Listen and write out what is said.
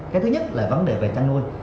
cái thứ nhất là vấn đề về chăn nuôi